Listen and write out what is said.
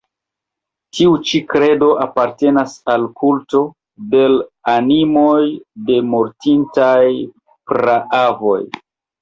Tiu ĉi kredo apartenas al kulto de l' animoj de mortintaj praavoj.